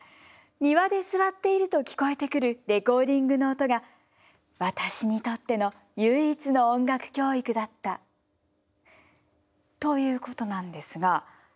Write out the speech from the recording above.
庭で座っていると聞こえてくるレコーディングの音が私にとっての唯一の音楽教育だった」。ということなんですが。